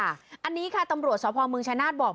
อันนี้ค่ะตำรวจสพมชัยนาศบอก